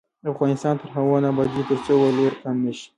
افغانستان تر هغو نه ابادیږي، ترڅو ولور کم نشي.